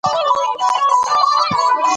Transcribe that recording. بریالۍ زده کړه په ټولنه کې هیله پیدا کوي.